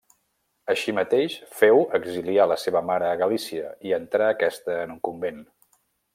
Així mateix, féu exiliar la seva mare a Galícia, i entrà aquesta en un convent.